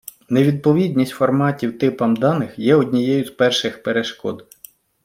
Невідповідність форматів типам даних є однією з перших перешкод.